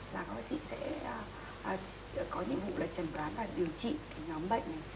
là các bác sĩ sẽ có nhiệm vụ là trần đoán và điều trị cái nhóm bệnh này